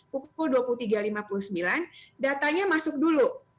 pukul dua puluh tiga lima puluh sembilan datanya masuk dulu